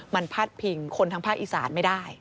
มันพาดพิงคนทางภาคอีสานไม่ได้